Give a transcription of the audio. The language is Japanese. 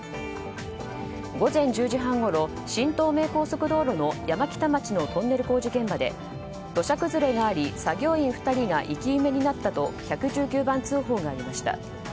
午前１０時半ごろ新東名高速道路の山北町のトンネル工事現場で土砂崩れがあり作業員２人が生き埋めになったと１１９番通報がありました。